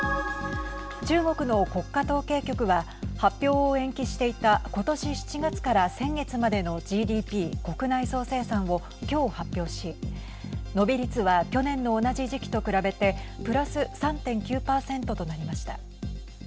中国の国家統計局は発表を延期していた今年７月から先月までのＧＤＰ＝国内総生産を今日発表し、伸び率は去年の同じ時期と比べてプラス３．９％となりました。